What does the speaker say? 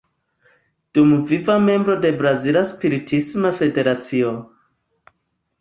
Dumviva membro de Brazila Spiritisma Federacio.